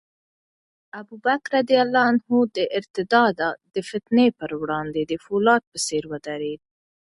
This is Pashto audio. ابوبکر رض د ارتداد د فتنې پر وړاندې د فولاد په څېر ودرېد.